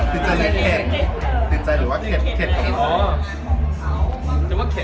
ติดใจหรือเปล่า